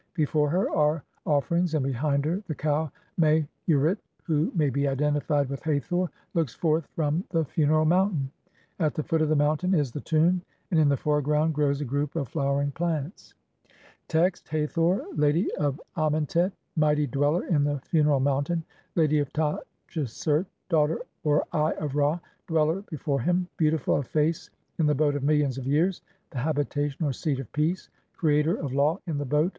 Before her are offer ings, and behind her the cow Meh urit, who may be identified with Hathor, looks forth from the funeral mountain. At the foot of the mountain is the tomb, and in the foreground grows a group of flowering plants. Text : "Hathor, lady of Amentet, mighty dweller in the funeral "mountain, lady of Ta tchesert, daughter (or eye) of Ra, dweller "before him, beautiful of face in the Boat of millions of years, "the habitation (or seat) of peace, creator of law in the boat